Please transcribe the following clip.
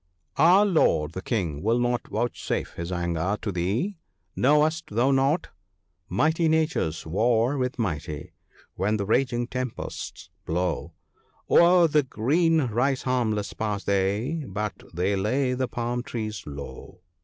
! Our Lord the King will not vouchsafe his anger to thee ; knowest thou not — THE PARTING OF FRIENDS. 69 " Mighty natures war with mighty : when the raging tempests blow, O'er the green rice harmless pass they, but they lay the palm trees low."